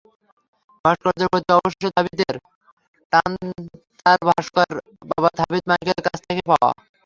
ভাস্কর্যের প্রতি অবশ্য থাবিতের টান তার ভাস্কর বাবা থাবিত মাইকেলের কাছ থেকে পাওয়া।